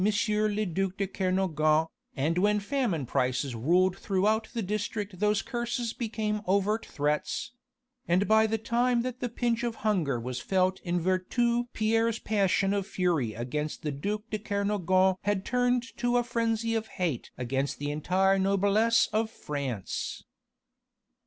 le duc de Kernogan, and when famine prices ruled throughout the district those curses became overt threats; and by the time that the pinch of hunger was felt in Vertou Pierre's passion of fury against the duc de Kernogan had turned to a frenzy of hate against the entire noblesse of France.